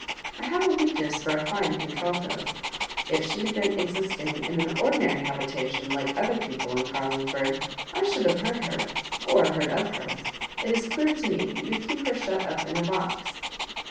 I have a weakness for a fine contralto, if she had been existing in an ordinary habitation like other people in Carling ford, I should have heard her, or heard of her. It is clear to me that you keep her shut up in a box."